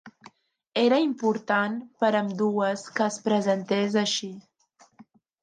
Era important per ambdues que es presentés així.